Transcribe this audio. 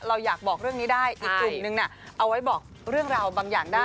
เราอยากบอกเรื่องนี้ได้อีกกลุ่มนึงเอาไว้บอกเรื่องราวบางอย่างได้